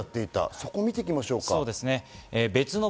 そこを見ていきましょ